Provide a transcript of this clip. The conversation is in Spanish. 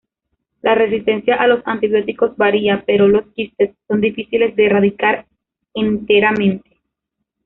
La resistencia a los antibióticos varía, pero los quistes son difíciles de erradicar enteramente.